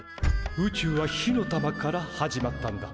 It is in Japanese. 宇宙は火の玉から始まったんだ。